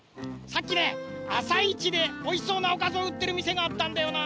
さっきね朝市でおいしそうなおかずをうってるみせがあったんだよな。